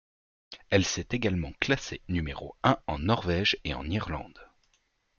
Elle s'est également classée numéro un en Norvège et en Irlande.